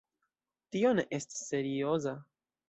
Tio ne estas serioza.